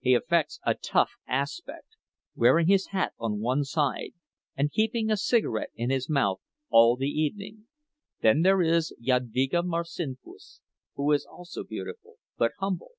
He affects a "tough" aspect, wearing his hat on one side and keeping a cigarette in his mouth all the evening. Then there is Jadvyga Marcinkus, who is also beautiful, but humble.